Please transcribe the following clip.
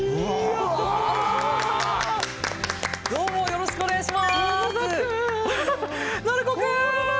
よろしくお願いします。